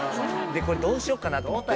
これどうしよっかなと思って。